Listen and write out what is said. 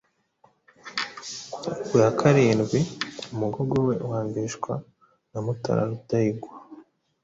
ku ya karindwi umugogo we ugahambishwa na Mutara Rudahigwa;